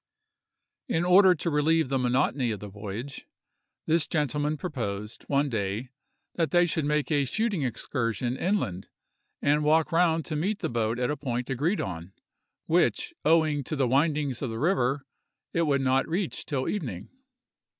In order to relieve the monotony of the voyage, this gentleman proposed, one day, that they should make a shooting excursion inland, and walk round to meet the boat at a point agreed on, which, owing to the windings of the river, it would not reach till evening.